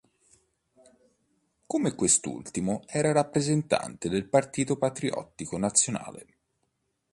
Come quest'ultimo era rappresentante del Partito Patriottico Nazionale.